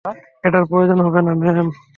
এটার প্রয়োজন হবে না, ম্যাম।